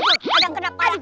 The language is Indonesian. ada yang kena kepala